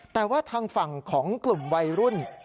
แต่ว่าทางฝั่งของกลุ่มวัยรุ่น